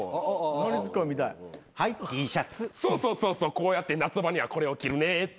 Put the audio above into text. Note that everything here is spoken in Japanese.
こうやって夏場にはこれを着るねって。